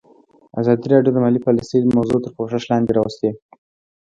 ازادي راډیو د مالي پالیسي موضوع تر پوښښ لاندې راوستې.